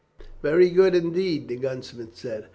"Very good, indeed," the gunsmith said.